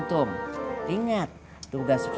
terus kalau kita nggak mau kalian mau apa